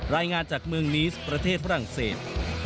รายงานจากเมืองนีสประเทศฝรั่งเศส